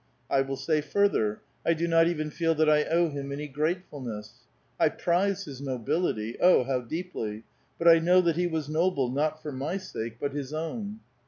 I will say further, I do not even feel that I owe him any grate fulness. I prize his nobility, oh, how deeply ! but I know that he was noble, not for my sake, but his own.